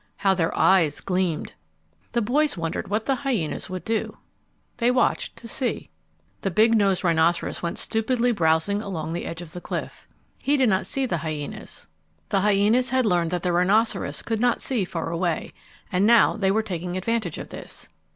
How their eyes gleamed! The boys wondered what the hyenas would do. They watched to see. The big nosed rhinoceros went stupidly browsing along the edge of the cliff. He did not see the hyenas. The hyenas had learned that the rhinoceros could not see far away, and now they were taking advantage of this.